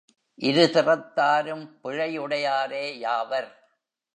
இரு திறத்தாரும் பிழையுடையாரே யாவர்.